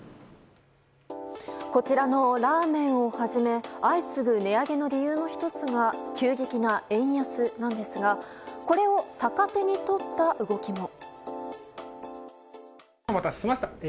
こちらのラーメンをはじめ相次ぐ値上げの理由の１つが急激な円安なんですがこれを逆手に取った動きも。